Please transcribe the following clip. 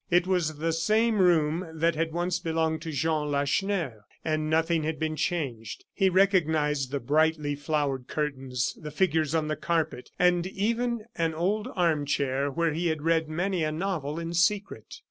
It was the same room that had once belonged to Jean Lacheneur; and nothing had been changed. He recognized the brightly flowered curtains, the figures on the carpet, and even an old arm chair where he had read many a novel in secret.